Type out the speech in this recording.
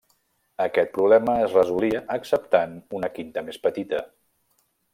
Aquest problema es resolia acceptant una quinta més petita.